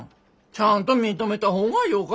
ちゃんと認めた方がよかぞ。